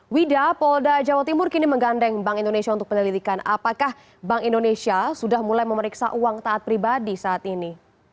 wida polda jawa timur kini menggandeng bank indonesia untuk penyelidikan apakah bank indonesia sudah mulai memeriksa uang taat pribadi saat ini